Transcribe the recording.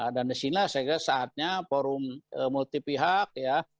dan disinilah saya kira saatnya forum multi pihak ya